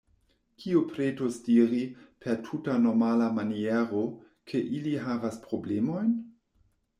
Kiu pretus diri, per tuta normala maniero, ke ili havas problemojn?